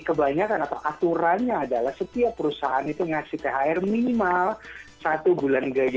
kebanyakan atau aturannya adalah setiap perusahaan itu ngasih thr minimal satu bulan gaji